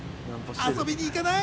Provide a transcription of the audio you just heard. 遊びに行かない？